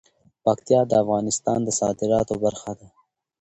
پکتیا د افغانستان د صادراتو برخه ده.